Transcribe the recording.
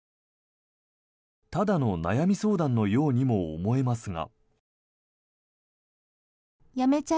ただの悩み相談のようにも思えますが。